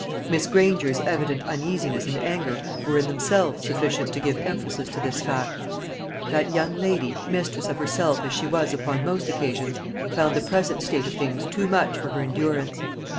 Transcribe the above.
Miss Granger's evident uneasiness and anger were in themselves sufficient to give emphasis to this fact. That young lady, mistress of herself as she was upon most occasions, found the present state of things too much for her endurance.